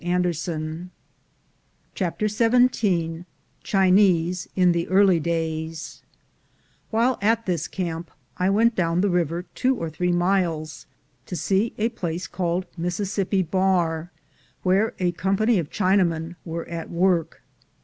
z a %ex% CHAPTER XVII CHINESE IN THE EARLY DAYS WHILE at this camp, I went down the river two or three miles to see a place called Mis sissippi Bar, where a company of Chinamen were at work.